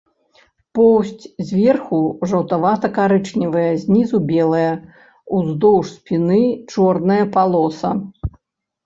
Поўсць зверху жаўтавата-карычневая, знізу белая, уздоўж спіны чорная палоса.